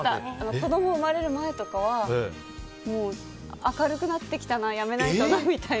子供が生まれる前とかは明るくなってきたからやめないとなみたいな。